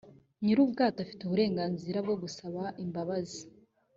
nyir ubwato afite uburenganzira bwo gusaba imbabazi